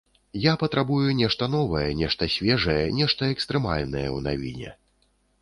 Я патрабую нешта новае, нешта свежае, нешта экстрэмальнае ў навіне.